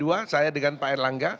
tinggal dua saya dengan pak erlangga